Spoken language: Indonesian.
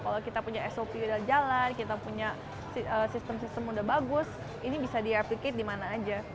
kalau kita punya sop udah jalan kita punya sistem sistem udah bagus ini bisa di applicate di mana aja